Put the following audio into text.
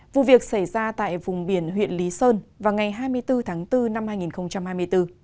vụ việc xảy ra tại vùng biển huyện lý sơn vào ngày hai mươi bốn tháng bốn năm hai nghìn hai mươi bốn